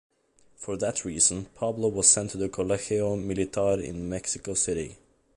For that reason, Pablo was sent to the Colegio Militar, in Mexico City.